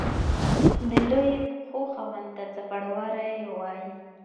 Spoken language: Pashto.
د لويو پښو خاوند ته څپړورے وائي۔